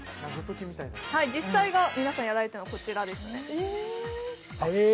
実際皆さんがやられてるのは、こちらですね。